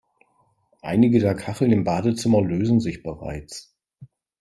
Einige der Kacheln im Badezimmer lösen sich bereits.